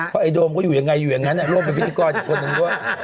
เพราะโดมอยู่อย่างไรอยู่อย่างนั้นโลกเป็นพิกี้กอร์คนหนึ่ง